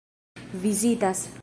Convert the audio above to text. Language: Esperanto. vizitas